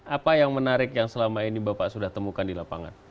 apa yang menarik yang selama ini bapak sudah temukan di lapangan